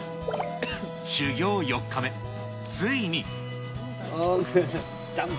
修業４日目、ついに。